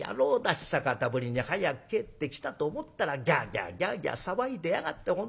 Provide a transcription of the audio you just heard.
久方ぶりに早く帰ってきたと思ったらギャーギャーギャーギャー騒いでやがって本当に。